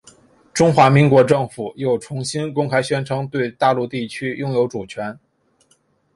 中华民国政府又重新公开宣称对大陆地区拥有主权。